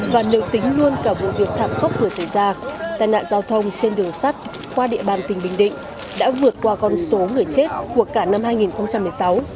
và nếu tính luôn cả vụ việc thảm khốc vừa xảy ra tai nạn giao thông trên đường sắt qua địa bàn tỉnh bình định đã vượt qua con số người chết của cả năm hai nghìn một mươi sáu